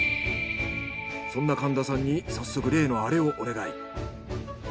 そんな神田さんに早速例のアレをお願い。